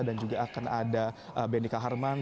dan juga akan ada benika harman